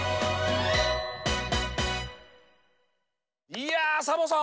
いやサボさん